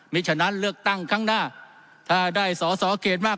มีฉะนั้นเลือกตั้งข้างหน้าถ้าได้สอสอเขตมาก